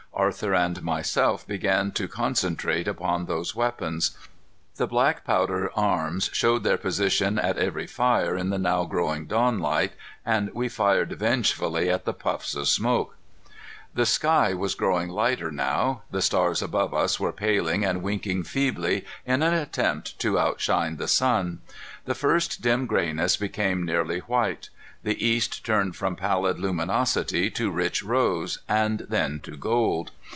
Arthur and myself began to concentrate upon those weapons. The black powder arms showed their position at every fire in the now growing dawnlight, and we fired vengefully at the puffs of smoke. The sky was growing lighter now. The stars above us were paling and winking feebly in an attempt to outshine the sun. The first dim grayness became nearly white. The east turned from pallid luminosity to rich rose and then to gold.